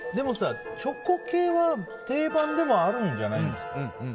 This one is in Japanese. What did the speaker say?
でもさ、チョコ系は定番でもあるんじゃないんですか。